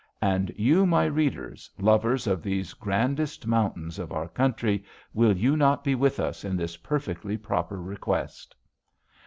And you, my readers, lovers of these grandest mountains of our country, will you not be with us in this perfectly proper request?